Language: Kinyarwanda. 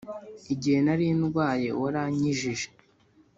igihe nari ndwaye, warankijije